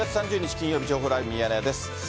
金曜日、情報ライブミヤネ屋です。